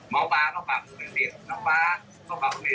น้องป๊ากก็ปรากศิษย์ผมเนี่ย